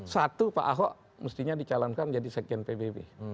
satu pak ahok mestinya dicalonkan jadi sekjen pbb